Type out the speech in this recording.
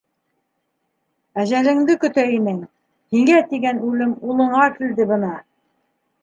Әжәлеңде көтә инең, һиңә тигән үлем улыңа килде бына.